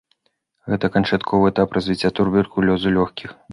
Гэта канчатковы этап развіцця туберкулёзу лёгкіх.